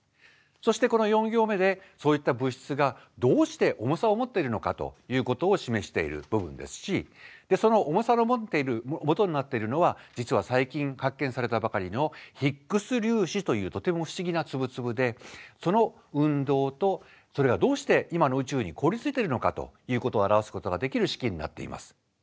そしてこの４行目でそういった物質がどうして重さを持っているのかということを示している部分ですしその重さを持っている元になっているのは実は最近発見されたばかりのヒッグス粒子というとても不思議な粒々でその運動とそれがどうして今の宇宙に凍りついてるのかということを表すことができる式になっています。